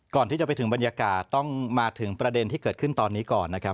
ก่อนที่จะไปถึงบรรยากาศต้องมาถึงประเด็นที่เกิดขึ้นตอนนี้ก่อนนะครับ